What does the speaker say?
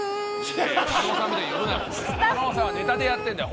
狩野さんはネタでやってんだよ。